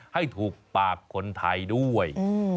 ให้ถูกปากคนไทยด้วย